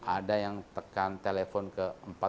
ada yang tekan telepon ke empat ribu empat ratus empat puluh empat